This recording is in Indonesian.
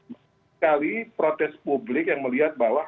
banyak sekali protes publik yang melihat bahwa